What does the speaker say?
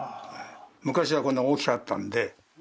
昔はこんな大きかったんで。